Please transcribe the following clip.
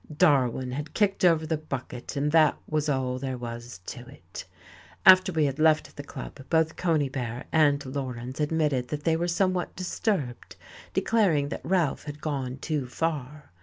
Darwin had kicked over the bucket, and that was all there was to it.... After we had left the club both Conybear and Laurens admitted they were somewhat disturbed, declaring that Ralph had gone too far.